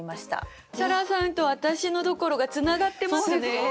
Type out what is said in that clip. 沙羅さんと私のところがつながってますね。